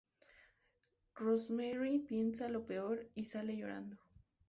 Rosemary piensa lo peor, y sale llorando.